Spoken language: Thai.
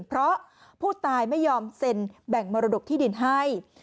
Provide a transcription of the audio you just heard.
เพราะผู้ตายไม่ยอมเซ็นแบ่งมรดกที่ดินให้